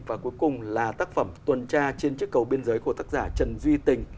và cuối cùng là tác phẩm tuần tra trên chiếc cầu biên giới của tác giả trần duy tình